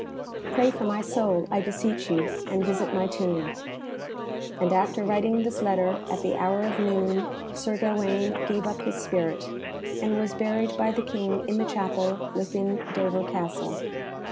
Pray for my soul, I beseech you, and visit my tomb." And after writing this letter, at the hour of noon, Sir Gawaine gave up his spirit, and was buried by the King in the chapel within Dover Castle.